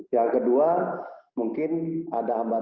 yang kedua mungkin ada hambatan